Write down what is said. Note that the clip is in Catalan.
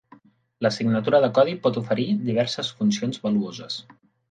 La signatura de codi pot oferir diverses funcions valuoses.